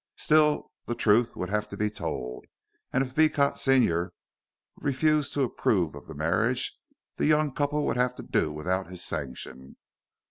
Still, the truth would have to be told, and if Beecot senior refused to approve of the marriage, the young couple would have to do without his sanction.